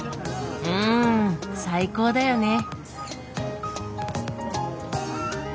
うん最高だよね。